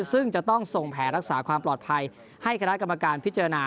ซึ่งจะต้องส่งแผลรักษาความปลอดภัยให้คณะกรรมการพิจารณา